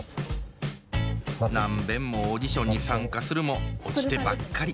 何べんもオーディションに参加するも落ちてばっかり。